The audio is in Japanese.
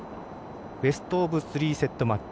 ベストオブスリーセットマッチ。